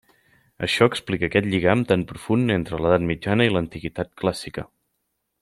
Això explica aquest lligam tan profund entre l'edat mitjana i l'antiguitat clàssica.